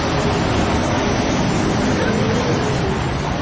เบ้าหรือยัง